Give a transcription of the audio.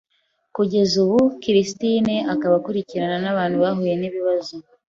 Kugeza ubu Christine akaba akurikirana abantu bahuye n’ibibazo